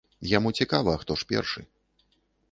Яму цікава, а хто ж першы.